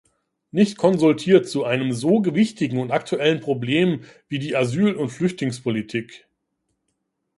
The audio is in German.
Nicht konsultiert zu einem so gewichtigen und aktuellen Problem wie die Asyl- und Flüchtlingspolitik.